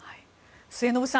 末延さん